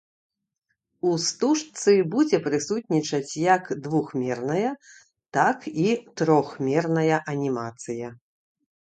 У стужцы будзе прысутнічаць як двухмерная, так і трохмерная анімацыя.